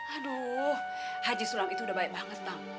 aduh haji sulam itu udah baik banget bang